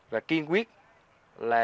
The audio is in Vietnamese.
và kiên quyết là